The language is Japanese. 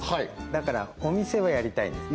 だからお店はやりたいんです